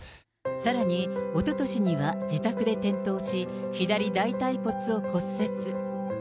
さらに、おととしには自宅で転倒し、左大腿骨を骨折。